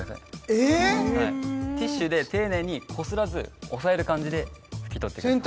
えっティッシュで丁寧にこすらず押さえる感じで拭き取ってください